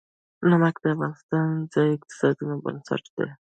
نمک د افغانستان د ځایي اقتصادونو بنسټ دی.